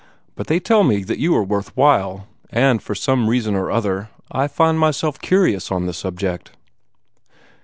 But they tell me that you are worth while; and, for some reason or other, I find myself curious on the subject."